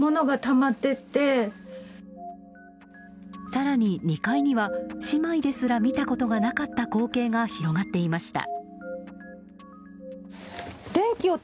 更に２階には姉妹ですら見たことがなかった光景が広がっていました。